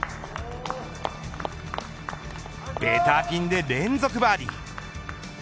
ベタピンで連続バーディー。